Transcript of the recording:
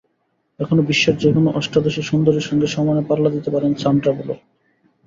এখনো বিশ্বের যেকোনো অষ্টাদশী সুন্দরীর সঙ্গে সমানে পাল্লা দিতে পারেন সান্ড্রা বুলক।